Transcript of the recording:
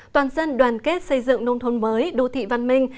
toàn dân đoàn kết xây dựng nông thôn mới đô thị văn minh